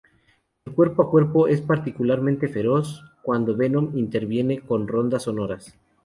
El cuerpo a cuerpo es particularmente feroz cuando Venom interviene con rondas sonoras.